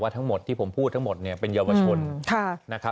ทั้งหมดที่ผมพูดทั้งหมดเป็นเยาวชน